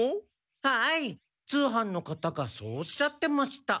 はい通販の方がそうおっしゃってました。